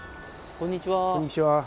こんにちは。